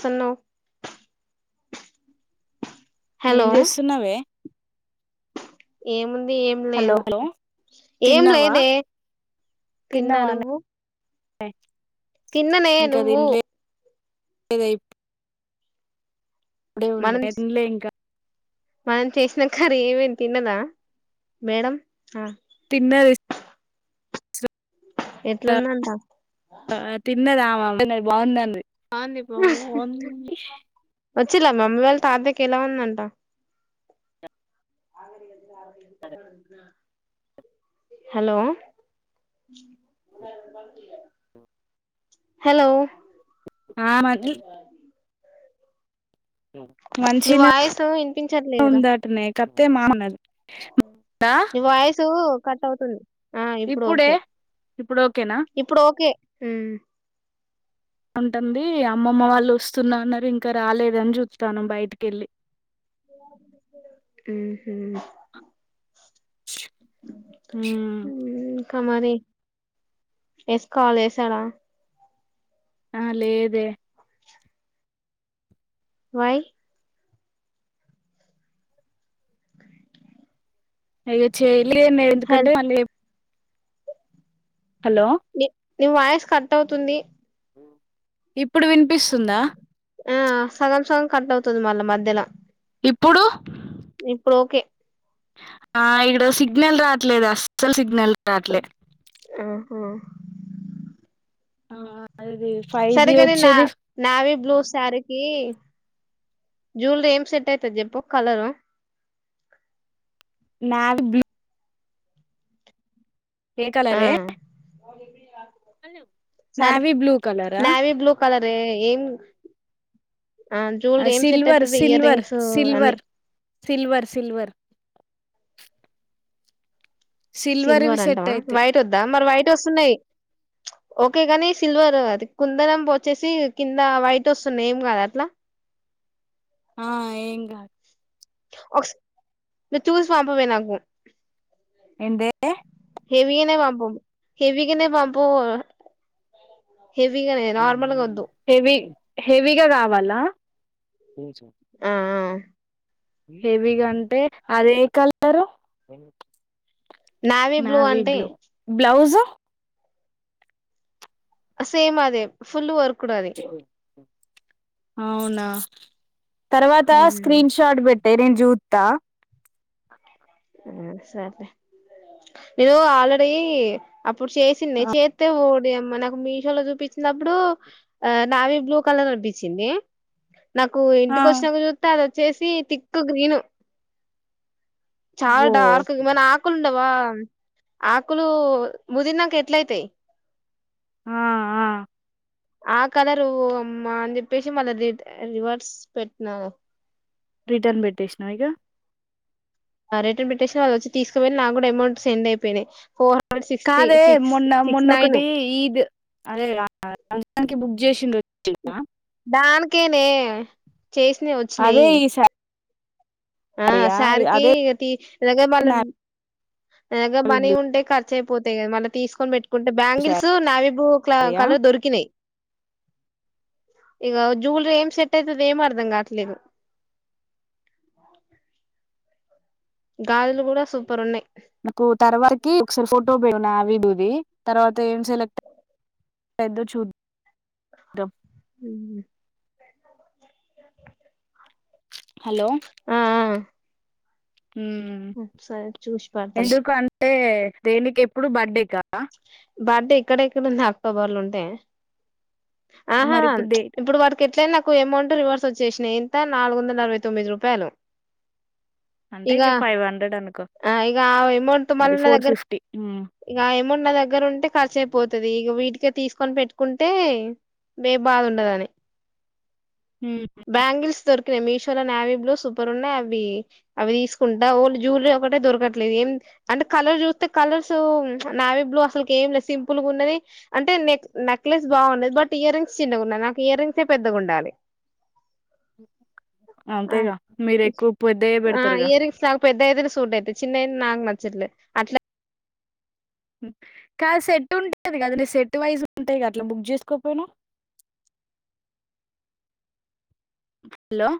సున్నం ఏం చేస్తున్నవే? ఏముం ది ఏం హలో లేదు. హలో ఏం తిన్నావా లేదే తిన్నా. నువ్వు? హాయ్ తిన్ననే నువ్వు? అదైపు ఇప్పుడే ఉండే మనం ఎం [unintelligible] లే ఇంకా మనం చేసిన కర్రీ ఏమైనా తిన్నదా మేడం. ఆ తిన్నది. ఎట్లుంది అంటా? ఆ తిన్నది ఆమె బావుంది అంది. వచ్చిన్లా మమ్మీ వాళ్ళు తాతయాకి ఎలా ఉందం ట ఆవిరిగద్ ఆవిరి [inaudible] హలో హలో ఆమాకి నీ మంచిగానే వాయిస్ వినిపించట్లేదురా ఉంద అటనే తప్పే మానమేది నీ వాయిస్సు కట్ అవుతుంది ఆ ఇప్పుడు ఇప్పుడే ఓకే ఇప్పుడు ఓకేనా హమ్ అంటంది అమ్మమ్మ వాళ్ళు వస్తున్న ఆన్నారు ఇంకా రాలేదని చుత్తన్నా బయటికి వెళ్ళి మ్మ్ హు మ్మ్ కమరి వేసుకోవాలి వేసారా ఆ లేదే వై అయ్యే చేయలేమే ఎందుకంటే హల్ మళ్ళీ హలో నీ వాయస్సు కట్ అవుతుంది ఇప్పుడు వినిపిస్తుందా ఆ సగం సగం కట్ అవుతుంది మళ్ళ మధ్యల ఇప్పుడు ఆ ఇక్కడ సిగ్నల్ రావట్లేదు అస్సలు సిగ్నల్ రాట్లే మ్మ్ ఆ ఆ సరేకనీ నా నావి బ్లూ శారీకి జువెలరీ ఏం సెట్ అవుతుది చెప్పు కలరు నావి బ్లూ ఏ కలరే అ [unintelligible] సర నావీ బ్లూ కలరా నావిబ్లూ కలర్ ఏం ఆ జ్యూవెర ఏం సెట్ సిల్వర్ అయితది ఇయర్ సిల్వర్ రింగ్స్ అని సిల్వర్ సిల్వర్ సిల్వర్ సిల్వర్వి సిల్వర్ సెట్ అంటావా అయితే వైట్ వద్దా మరి వైట్ వస్తున్నాయి ఓకే కాని సిల్వర్ అది కుందనం వచ్చేసి కింద వైట్ వస్తున్నాయి ఏం కాదా అట్లా ఆ ఎమ్ గాదు ఒకాస్ నువ్ చూసి పంపవే నాకు ఏందే హెవీగానే పంపు హెవీ గానే పంపు హెవీగానే నార్మల్గా వద్దు హెవి హెవీగా కావాలా ఆ ఆ హెవీగా అంటే అదే కలరు నావీ నావి అంటే బ్లూ బ్లౌజు సేమ్ అదే ఫుల్ వర్క్ కూడాది అవునా తర్వాత స్క్రీన్ షాట్ పెట్ తెరన్ జూతా ఆ సరే ఇగో ఆల్రడి ఇప్పుడు చేసింది చేస్తే దే మనకు మీషో లో చుపి నప్పుడు ఆ నావి బ్లూ కలర్ కనిపించింది నాకు ఆ ఇంటికి వచ్చినాక చూస్త వచ్చేసి తిక్ గ్రీను చాలా ఓ డార్క్ మన ఆకులు ఉండవా ఆకులు ముదిరినాక ఎట్లయితే ఆ ఆ ఆ కలరు అమ్మా అని చెప్పేసి మళ్ళా రి రివర్స్ పెట్టినా రిటర్న్ పెట్టేసినావ ఇక రిటర్న్ పిటిషన్ వాళ్ళ వచ్చ తీసుకువెనర్ నా కూడా అమౌం సెండ్ అయిో కాదే మొన్న మొన్నొకటి ఈద్ అదే అంనికి బుక్ చేసిండు దానికే కే చేసినవీ అదే వచ్చినాయి ఈ ఆ శారీయా సార్కిీ అదే తీస్ రగ మళ నా దగ్గ నావీ మనీ బ్లూ ఉంటే కర్చ ర్చయిపోతాయి కదా మళ్ళి తీసుకొని పెట్టు కుంటే బ్యాంగిల్స్ నావిబు క్ శారీయా కలర్ దొరికినాయి ఇక జువెలరీ ఏం సెట్ అవుతుంది ఏమ అర్ధం కావట్లేదు గాజులు కూడా సూపర్ ఉన్నాయి్ నాకు తర్వాతకి ఒకసారి ఫోటో పెడు నా వీడియో తర్వాత ఏం సెలెక్ట్ పె చూద్ద చద్ద ఉమ్ హలో ఆ సరే చూసి పెడతాలే ఎందుకా అ అంటే దేనికి ఎప్పుడు బర్త్డేకా బర్త్డే ఇక్కడ ఇక్కడ ఉంది అక్టోబర్ లో ఉంటే ఆహా మరి ఇప్పుడు దే ఇప్పుడు వాడికి ఎట్లయినా నాకు అమౌంట్ రివర్స్ వచ్చేసినయి ఎంత నాలుగు వందల అరవై తొమ్మిది రూపాయలు అంటే ఇగ ఇక ఫైవ్ హండ్రెడ్ అనుకో ఆ ఇగ ఆ అమౌంట్ అది ఫోర్ ఫిఫ్టీ న్న దగ్గర ఉంటే ఖర్చయిపోతుది ఇ వీటికే తీసుకొని పెట్టుకుంటే బే బాధ ఉండదని మ్మ్ బ్యాంగిల్స్తోర్ ఇక్కడ మీషోలో నావీ బ్లో సూపర్ ఉన్నాయి అవి అవి తీసుకుంటా ఓు జ్యూవలరీ ఒకటే దొరకట్లేదు ఏం అంటే కలర్ చూస్తే కలర్స్ నావీ బ్లూ అసలుకి ఏం లేదు సింపుల్ గా ఉన్నది అంటే నెక్ నెక్లెస్ బాగుండది బట్ ఇయర్ రింగ్స్ చిన్నగా ఉన్నాయి నాకు ఇయ రంగ్స్ పెద్దగా ఉండాలి ఆ అంతేగా మీరు ఎక్కువ పెద్దయే ఆ పెడతారుగా ఇయరింగ్స్ నాకు పెద్ద యితేన సూట్ అయితే చిన్నైంది నాకు నచ్చట్లే అట్లా కా సెట్ ఉంటాంది కదా న సెట్ వైజ్ ఉంటాయి కదా అట్లా బుక్ చేసుకోపోయినా హలో